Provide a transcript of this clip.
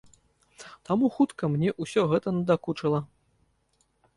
Таму хутка мне ўсё гэта надакучыла.